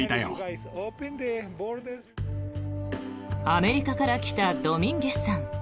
アメリカから来たドミンゲスさん。